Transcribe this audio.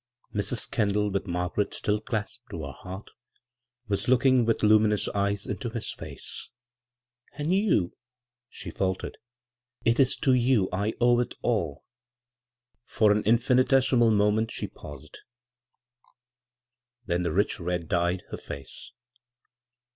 Mrs. Kendall, with Mar garet still clasped to her heart, was looking with luminous eyes into his face. " And you," she faltered, " it is to you I owe it all!" For an infinitesimal moment she paused ; b, Google CROSS CURRENTS then the rich red dyed her face.